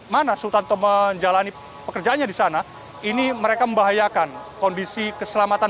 mana sultanto menjalani pekerjaannya di sana ini mereka membahayakan kondisi keselamatan